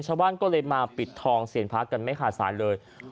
ชาวบ้านก็เลยมาปิดทองเสียงพระกันไม่ขาดสายเลย